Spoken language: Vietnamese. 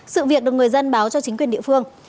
sự việc được người dân báo cho chính quyền địa phương